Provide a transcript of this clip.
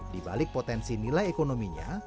di balik potensi nilai ekonominya